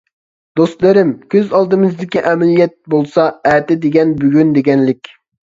دوستلىرىم، كۆز ئالدىمىزدىكى ئەمەلىيەت بولسا ئەتە دېگەن بۈگۈن دېگەنلىك.